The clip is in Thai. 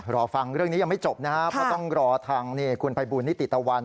รอฟังเรื่องนี้ยังไม่จบนะครับเพราะต้องรอทางคุณภัยบูลนิติตะวัน